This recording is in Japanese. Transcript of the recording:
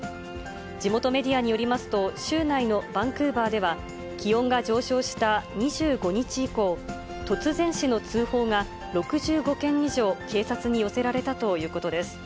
地元メディアによりますと、州内のバンクーバーでは、気温が上昇した２５日以降、突然死の通報が６５件以上、警察に寄せられたということです。